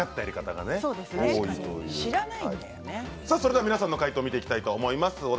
さあそれでは皆さんの解答見ていきたいと思います。